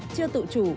chưa tự chủ